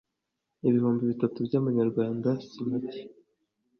ibihumbi bitatu byamanyarwanda simacye